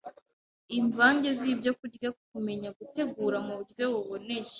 Imvange z’Ibyokurya Kumenya gutegura mu buryo buboneye